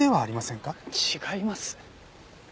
違います。